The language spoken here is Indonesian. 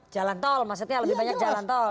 jalan tol maksudnya lebih banyak jalan tol